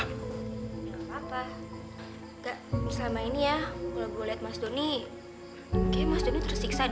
gak apa apa enggak selama ini ya kalau gue liat mas doni kayaknya mas doni terus siksa deh